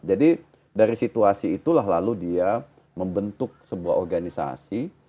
jadi dari situasi itulah lalu dia membentuk sebuah organisasi